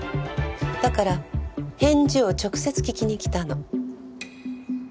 だから返事を直接聞きに来たの。